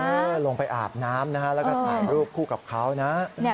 ลงไปอาบน้ำนะฮะแล้วก็ถ่ายรูปคู่กับเขานะ